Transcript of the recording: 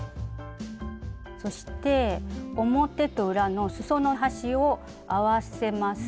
そして表と裏のすその端を合わせます。